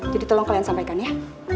jadi tolong kalian sampaikan ya